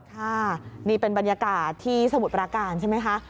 ค่ะนี่เป็นบรรยากาศที่สมุทรปราการใช่ไหมคะ